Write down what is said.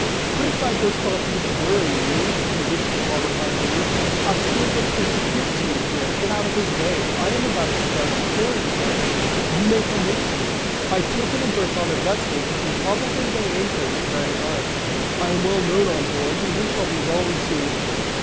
Put aside those thoughts which worry you, if you wish to follow my lead. Ascyltos persecutes you here; get out of his way. I am about to start for foreign parts, you may come with me. I have taken a berth on a vessel which will probably weigh anchor this very night. I am well known on board, and we shall be well received.)